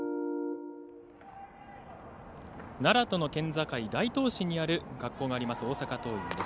奈良との県境、大東市に学校があります大阪桐蔭です。